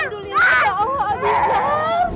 alhamdulillah ya allah abizar